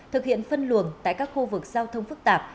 thực hiện phân luồng tại các khu vực giao thông phức tạp